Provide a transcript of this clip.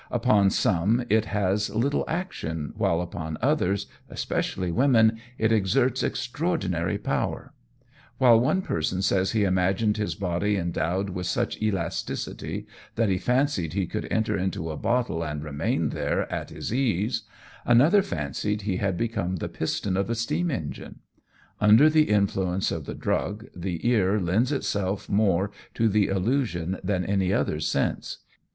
Upon some it has little action, while upon others, especially women, it exerts extraordinary power. While one person says he imagined his body endowed with such elasticity, that he fancied he could enter into a bottle and remain there at his ease, another fancied he had become the piston of a steam engine; under the influence of the drug the ear lends itself more to the illusion than any other sense.